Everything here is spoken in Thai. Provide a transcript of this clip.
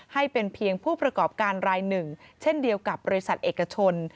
ให้เป็นเพียงผู้ประกอบการรายหนึ่งเช่นเดียวกับบริษัทเอกชน